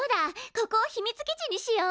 ここを秘密基地にしよう！